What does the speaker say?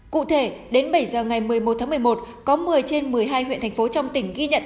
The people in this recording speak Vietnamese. cụ thể đến bảy giờ ngày một mươi một tháng một mươi một có một mươi trên một mươi hai huyện thành phố trong tỉnh ghi nhận